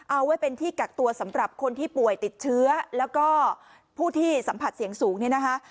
เอาไว้เป็นที่กักตัวสำหรับคนที่ป่วยติดเชื้อแล้วก็ผู้ที่สัมผัสเสียงสูงเนี่ยนะคะ